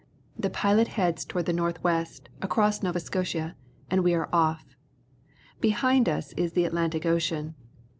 The pilot heads toward the north west across Nova Scotia, and we are off. Behind us is the Atlantic Ocean.